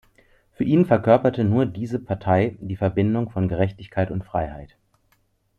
Für ihn verkörperte nur diese Partei die Verbindung von Gerechtigkeit und Freiheit.